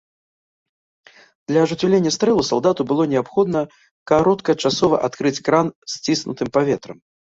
Для ажыццяўлення стрэлу салдату было неабходна кароткачасова адкрыць кран з сціснутым паветрам.